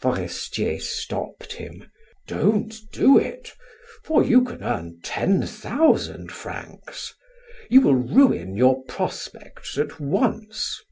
Forestier stopped him: "Don't do it, for you can earn ten thousand francs. You will ruin your prospects at once.